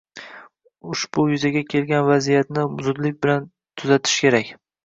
Ushbu yuzaga kelgan vaziyatni zudlik bilan tuzatish kerak.